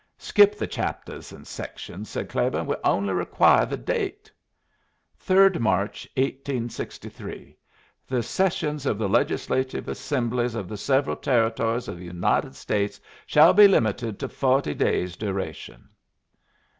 "Skip the chaptuhs and sections," said Claiborne. "We only require the date." "'Third March, 1863. The sessions of the Legislative Assemblies of the several Territories of the United States shall be limited to forty days' duration.'"